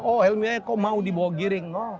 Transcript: oh helmy aja kok mau dibawa giring